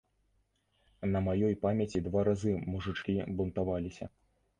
На маёй памяці два разы мужычкі бунтаваліся.